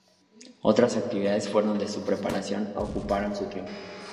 Otras actividades fuera de su preparación ocuparon su tiempo.